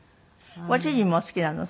ご主人もお好きなの？